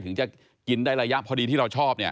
ถึงจะกินได้ระยะพอดีที่เราชอบเนี่ย